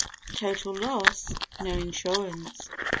Total loss. No insurance.